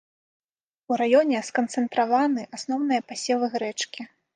У раёне сканцэнтраваны асноўныя пасевы грэчкі.